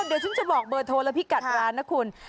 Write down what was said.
เดี๋ยวฉันจะบอกเบอร์โทรแล้วพี่กัดร้านนะคุณ